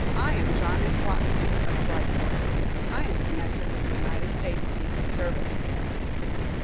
"I am John S. Watkins, of Bryport. I am connected with the United States secret service."